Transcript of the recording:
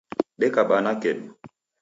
deka bana kedu